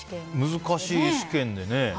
難しい試験でね。